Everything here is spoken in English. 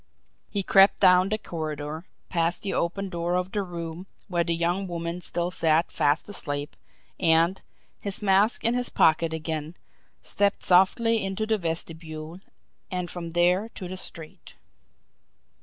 He crept down the corridor, past the open door of the room where the young woman still sat fast asleep, and, his mask in his pocket again, stepped softly into the vestibule, and from there to the street.